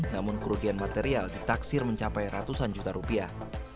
namun kerugian material ditaksir mencapai ratusan juta rupiah